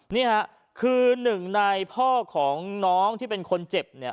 นี่ค่ะคือหนึ่งในพ่อของน้องที่เป็นคนเจ็บเนี่ย